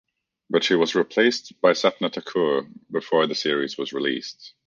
But she was replaced by Sapna Thakur before the series was released.